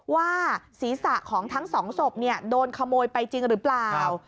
ว่าศีรษะของทั้งสองศพโดนขโมยไปจริงหรือเปล่า